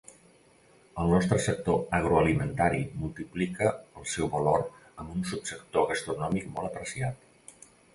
El nostre sector agroalimentari multiplica el seu valor amb un subsector gastronòmic molt apreciat.